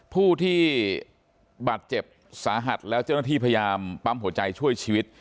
ผู้ที่บาดเจ็บสาหัสแล้วเจ้าหน้าที่พยายามปั๊มหัวใจช่วยชีวิต